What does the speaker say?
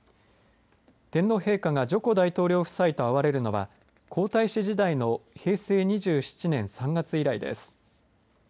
天皇陛下がジョコ大統領夫妻と会われるのは皇太子時代の平成２７年３月以来です。